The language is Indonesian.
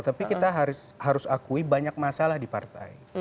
tapi kita harus akui banyak masalah di partai